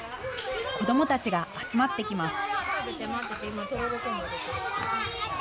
子どもたちが集まってきます。